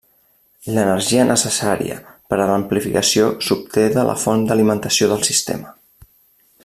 L'energia necessària per a l'amplificació s'obté de la font d'alimentació del sistema.